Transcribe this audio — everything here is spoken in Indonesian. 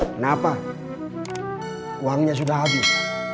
kenapa uangnya sudah habis